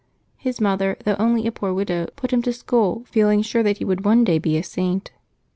His mother, though only a poor widow, put him to school, feeling sure that he would one day be a Saint.